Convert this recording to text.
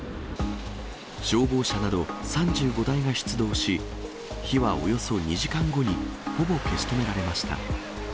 消防車など３５台が出動し、火はおよそ２時間後にほぼ消し止められました。